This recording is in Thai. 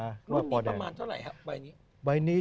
หรือเป็นฉายาใบนี้